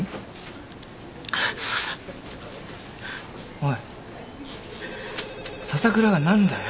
☎おい笹倉が何だよ。